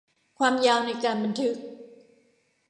ความยาวในการบันทึก